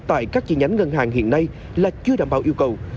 tại các chi nhánh ngân hàng hiện nay là chưa đảm bảo yêu cầu